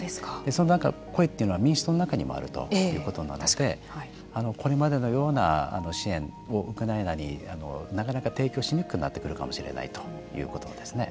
その声というのは民主党の中にもあるということなのでこれまでのような支援をウクライナになかなか提供しにくくなってくるかもしれないということですね。